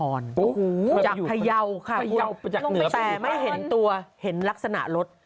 โอ้โหจากพยาวค่ะพยาวแต่ไม่เห็นตัวเห็นลักษณะรถ